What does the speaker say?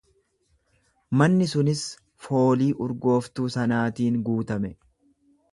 Manni sunis foolii urgooftuu sanaatiin guutame.